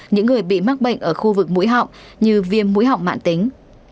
những người bị mắc bệnh ở khu vực mũi họng như viêm mũi họng mạng tính